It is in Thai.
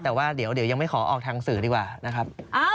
แต่ว่าเดี๋ยวยังไม่ขอออกทางสื่อดีกว่านะครับ